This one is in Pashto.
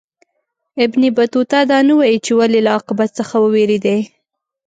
ابن بطوطه دا نه وايي چې ولي له عاقبت څخه ووېرېدی.